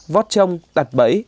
vót trong đặt bẫy